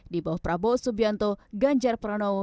di bawah prabowo subianto ganjar pranowo